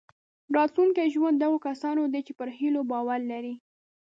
راتلونکی ژوند د هغو کسانو دی چې پر هیلو باور لري.